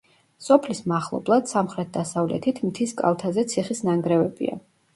სოფლის მახლობლად, სამხრეთ-დასავლეთით მთის კალთაზე ციხის ნანგრევებია.